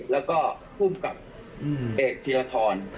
แล้วก็ผู้กับเอกถียรทร